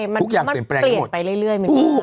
มันเปลี่ยนไปเรื่อย